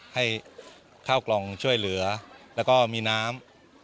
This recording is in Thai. ให้ข้าวกล่องช่วยเหลือแล้วก็มีน้ำ